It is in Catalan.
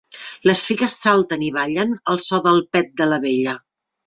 Les figues salten i ballen al so del pet de la vella.